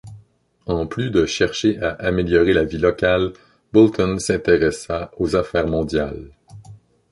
En plus de chercher à améliorer la vie locale, Boulton s'intéressa aux affaires mondiales.